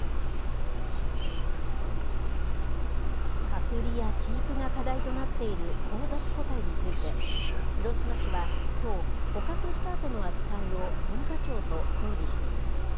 隔離や飼育が課題となっている交雑個体について、広島市はきょう、捕獲したあとの扱いを文化庁と協議しています。